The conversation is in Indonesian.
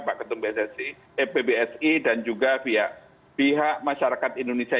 pak ketum pbsi dan juga pihak masyarakat indonesia